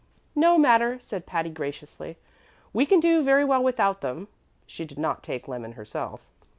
"No matter," said Patty, graciously; "we can do very well without them." (She did not take lemon herself.)